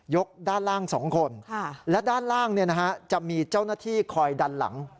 ด้านล่าง๒คนและด้านล่างจะมีเจ้าหน้าที่คอยดันหลัง